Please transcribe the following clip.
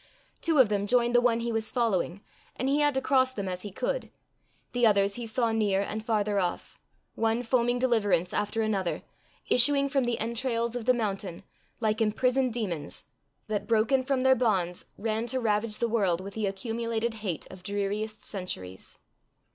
Two of them joined the one he was following, and he had to cross them as he could; the others he saw near and farther off one foaming deliverance after another, issuing from the entrails of the mountain, like imprisoned demons, that, broken from their bonds, ran to ravage the world with the accumulated hate of dreariest centuries.